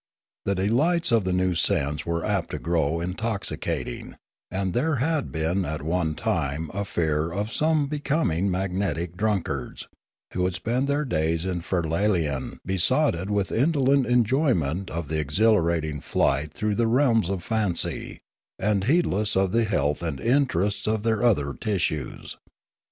The delights of the new sense were apt to grow intoxicating, and there had been at one time a fear of some becoming magnetic drunkards, who would spend their days in Firlalain besotted with indolent enjoyment of the exhilarating flight through the realms of fancy, and heedless of the health and interests of their other tissues.